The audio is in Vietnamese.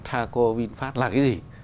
taco vinfast là cái gì